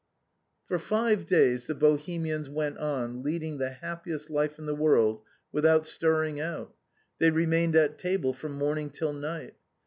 For five days the Bohemians ^ent on leading the happiest life in the world without stirring out. They remained at table from morning till night.